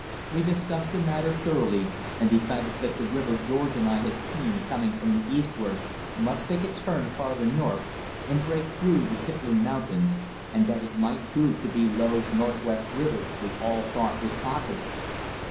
We discussed the matter thoroughly, and decided that the river George and I had seen coming from the eastward must take a turn farther north and break through the Kipling Mountains, and that it might prove to be Low's Northwest River we all thought was possible.